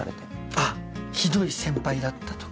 あっひどい先輩だったとか？